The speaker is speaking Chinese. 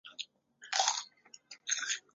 下半场西切罗将对方的传中挡进自家球门。